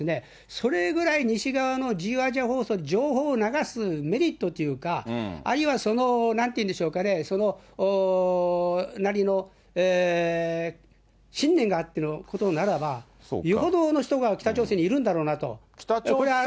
それぐらい、西側の自由アジア放送、情報を流すメリットっていうか、あるいは、その、なんて言うんでしょうかね、それなりの信念があってのことならば、よほどの人が北朝鮮にいるんだろうなと。